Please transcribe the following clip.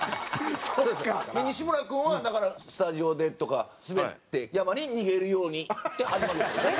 西村君はだからスタジオでとかスベって山に逃げるようにって始まりでしょ？